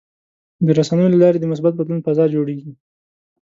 د رسنیو له لارې د مثبت بدلون فضا جوړېږي.